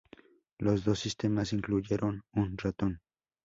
Los dos sistemas incluyeron un ratón.